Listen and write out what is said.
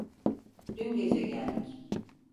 Dün gece geldik.